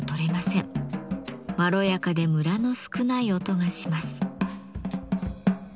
まろやかでムラの少ない音がします。